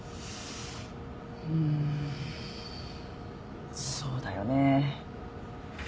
うんそうだよね。